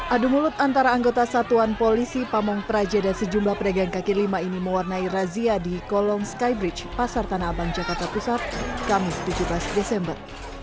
adu mulut antara anggota satuan polisi pamung praja dan sejumlah pedagang kaki lima ini mewarnai razia di kolong skybridge pasar tanah abang jakarta pusat kamis tujuh belas desember